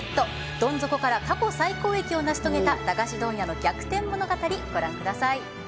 どん底から過去最高益を成し遂げた駄菓子問屋の逆転物語